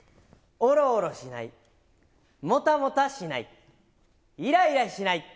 おろおろしない、もたもたしない、いらいらしない。